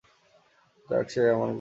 যাক গে আমার শরীর।